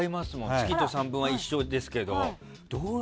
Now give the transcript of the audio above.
「月と散文」は一緒ですけど。